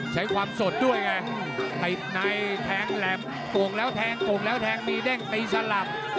ใช้ความสดด้วยล่ะฐัยไหนแทงแลมโก่แล้วแทงโก่แล้วแทงมีแด้งตีสลัม